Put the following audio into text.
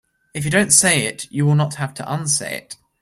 If you don't say it you will not have to unsay it.